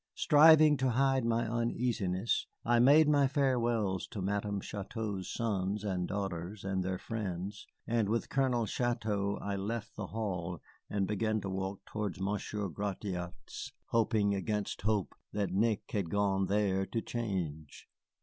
Striving to hide my uneasiness, I made my farewells to Madame Chouteau's sons and daughters and their friends, and with Colonel Chouteau I left the hall and began to walk towards Monsieur Gratiot's, hoping against hope that Nick had gone there to change.